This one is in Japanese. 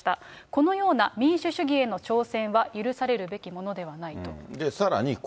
このような民主主義への挑戦は許されるべきものではないと。